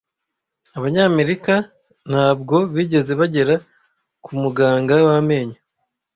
Abanyamerika ntabwo bigeze bagera Ku Muganga w'amenyo